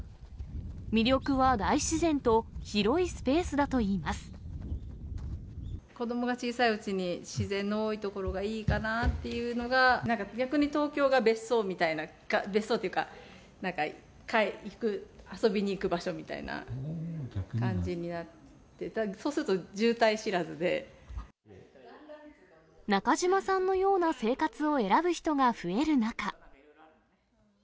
魅力は、大自然と広いスペースだ子どもが小さいうちに、自然の多い所がいいかなっていうのが、なんか逆に東京が別荘みたいな、別荘っていうか、なんか遊びに行く場所みたいな感じになって、そうすると、中嶋さんのような生活を選ぶ人が増える中。